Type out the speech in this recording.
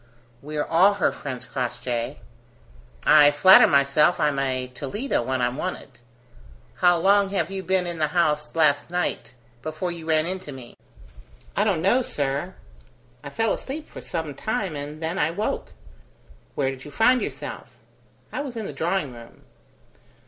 "We're all her friends, Crossjay. I flatter myself I'm a Toledo when I'm wanted. How long had you been in the house last night before you ran into me?" "I don't know, sir; I fell asleep for some time, and then I woke! ..." "Where did you find yourself?" "I was in the drawing room."